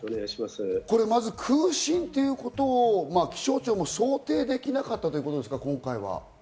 まず空振ということを気象庁も想定できなかったということですか？